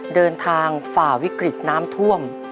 เดินทางฝ่าวิกฤตน้ำท่วม